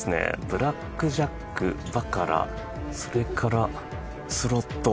ブラックジャックバカラ、それからスロット。